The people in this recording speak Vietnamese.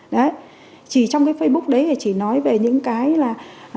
đấy chỉ trong cái facebook đấy thì chỉ nói về những cái là